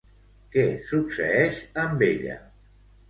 Què succeeix amb ella?